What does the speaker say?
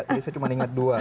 tadi saya cuma ingat dua